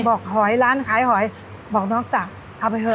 หอยร้านขายหอยบอกนอกจากเอาไปเถอ